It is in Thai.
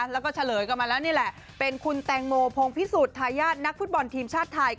แล้วก็เฉลยกันมาแล้วนี่แหละเป็นคุณแตงโมพงพิสุทธิทายาทนักฟุตบอลทีมชาติไทย